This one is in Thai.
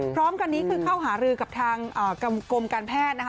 พร้อมกันนี้คือเข้าหารือกับทางกรมการแพทย์นะคะ